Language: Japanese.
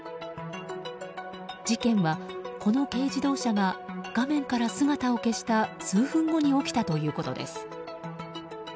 事件は、この軽自動車が画面から姿を消した数分後に起きたということです。